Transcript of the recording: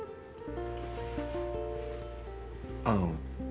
あの。